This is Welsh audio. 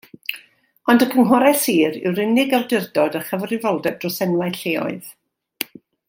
Ond y cynghorau sir yw'r unig awdurdod â chyfrifoldeb dros enwau lleoedd.